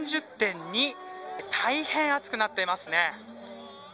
大変、暑くなっていますね。